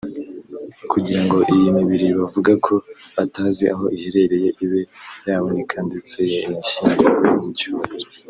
Kugira ngo iyi mibiri bavuga ko batazi aho iherereye ibe yaboneka ndetse inashyingurwe mu cyubahiro